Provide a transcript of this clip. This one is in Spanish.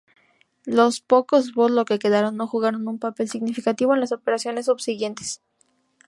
Los pocos "Bolo" que quedaron no jugaron un papel significativo en las operaciones subsiguientes.